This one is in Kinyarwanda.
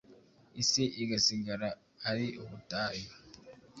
isi igasigara ari ubutayu